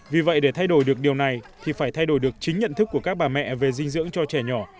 vì vậy để thay đổi được điều này thì phải thay đổi được chính nhận thức của các bà mẹ về dinh dưỡng cho trẻ nhỏ